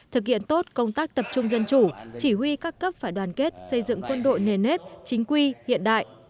thực hiện tốt công tác tập trung dân chủ chỉ huy các cấp phải đoàn kết xây dựng quân đội nền nếp chính quy hiện đại